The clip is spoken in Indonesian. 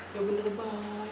ya bener pa